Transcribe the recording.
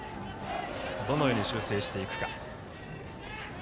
どのように修正していくか。